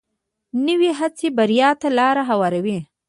نوې هڅه بریا ته لار هواروي